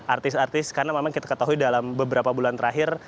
artis artis karena memang kita ketahui dalam beberapa bulan terakhir